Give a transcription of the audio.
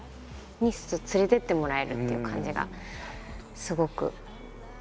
に連れてってもらえるっていう感じがすごく好きな理由ですかね。